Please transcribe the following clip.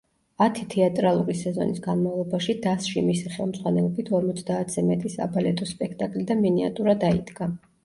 ათი თეატრალური სეზონის განმავლობაში დასში მისი ხელმძღვანელობით ორმოცდაათზე მეტი საბალეტო სპექტაკლი და მინიატურა დაიდგა.